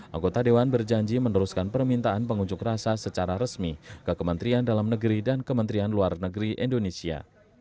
anggota dewan berjanji meneruskan permintaan pengunjuk rasa secara resmi ke kementerian dalam negeri dan kementerian luar negeri indonesia